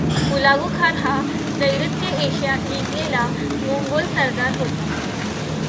हुलागु Khan हा नैऋत्य Asia जिंकलेला मोंगोल सरदार होता.